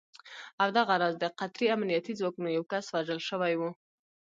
او دغه راز د قطري امنیتي ځواکونو یو کس وژل شوی و